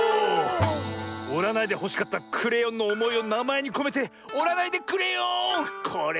おらないでほしかったクレヨンのおもいをなまえにこめて「おらないでくれよん」これはすばらしい。